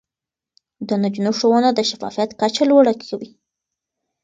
د نجونو ښوونه د شفافيت کچه لوړه کوي.